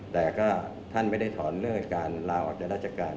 แต่ก็ท่านไม่ได้ถอนเลิกการลาออกจากราชการ